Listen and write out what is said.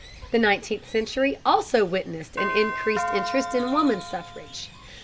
The nineteenth century also witnessed an increased interest in woman suffrage.